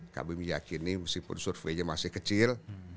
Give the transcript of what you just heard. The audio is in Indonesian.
kami meyakini meskipun surveinya masih kecil